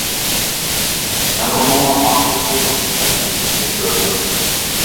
مەن ئۇنىڭغا ماقۇل بولدۇم ۋە تېكىستنى كۆردۈم.